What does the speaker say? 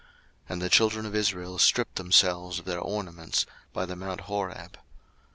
02:033:006 And the children of Israel stripped themselves of their ornaments by the mount Horeb.